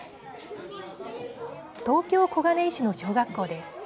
東京小金井市の小学校です。